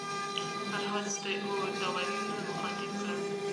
فرهاد داوري نور مخاطب کړل.